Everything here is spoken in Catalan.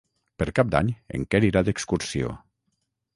Per Cap d'Any en Quer irà d'excursió.